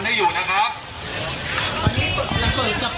เดี๋ยวฟังบริกาศสักครู่นะครับคุณผู้ชมครับ